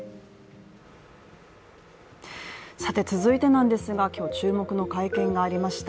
続いてなんですが今日注目の会見がありました。